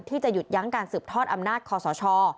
ที่จะหยุดยั้งการสืบทอดอำนาจคอสช